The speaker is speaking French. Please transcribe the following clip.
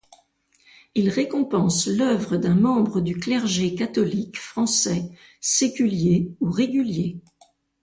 Il récompense l’œuvre d’un membre du clergé catholique français, séculier ou régulier.